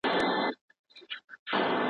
که ترکاڼي وکړو نو لرګي نه ضایع کیږي.